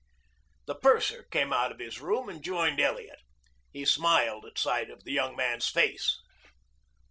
The purser came out of his room and joined Elliot. He smiled at sight of the young man's face.